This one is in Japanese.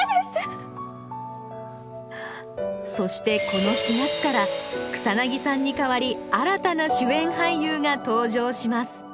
そしてこの４月から草さんにかわり新たな主演俳優が登場します